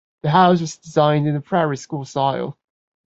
The house was designed in the Prairie School style.